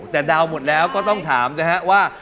แต่เดาหมดแล้วก็ต้องถามนะฮะว่า